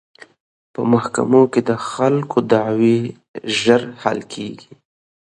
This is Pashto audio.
په محکمو کې د خلکو دعوې ژر حل کیږي.